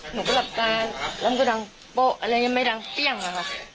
หนูก็หลับตาแล้วมันก็ดังโป๊ะอะไรยังไม่ดังเปรี้ยงอะค่ะ